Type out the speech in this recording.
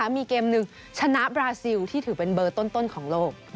มีเกมหนึ่งชนะบราซิลที่ถือเป็นเบอร์ต้นของโลก